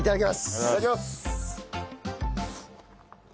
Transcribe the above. いただきます。